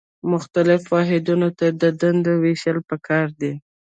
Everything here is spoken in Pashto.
مختلفو واحدونو ته د دندو ویشل پکار دي.